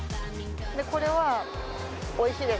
これはおいしいです。